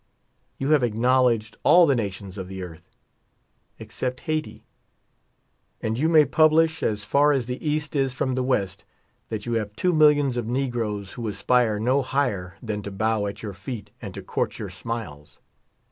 You have acknowledged all the nations of the earth, except Haj^ti ; and you may publish, as far as the East is from the West, that you have two millioifs of negroes, who aspire no higher than to bow at your feet and to court your smiles.